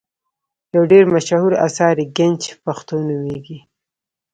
یو ډېر مشهور اثر یې ګنج پښتو نومیږي.